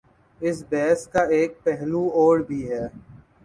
اس بحث کا ایک پہلو اور بھی ہے۔